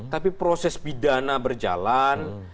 tapi proses pidana berjalan